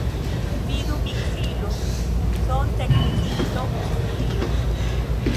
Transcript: Vidu miksilo, sonteknikisto, studio.